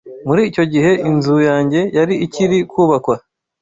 Muri icyo gihe, inzu yanjye yari ikiri kubakwa.